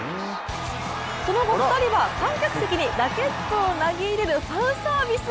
その後２人は観客席にラケットを投げ入れるファンサービス。